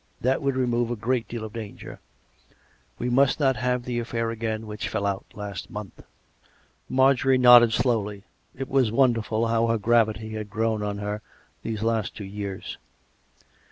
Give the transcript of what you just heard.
That would remove a great deal of danger. We must not have that affair again which fell out last month." Marjorie nodded slowly. (It was wonderful how her gravity had grown on her these last two years.)